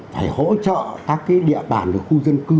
phải hỗ trợ các cái địa bản của khu dân cư